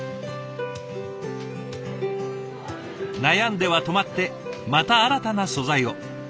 悩んでは止まってまた新たな素材を。